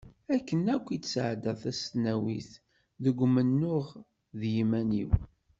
Akken akk i d-sɛeddaɣ tasnawit, deg umennuɣ d yiman-iw.